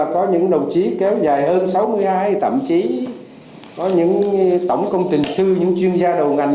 có những đồng chí kéo dài hơn sáu mươi hai thậm chí có những tổng công trình sư những chuyên gia đầu ngành